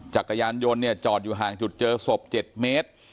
จักรยานยนต์เนี่ยจอดอยู่ห่างจุดเจอศพ๗เมตร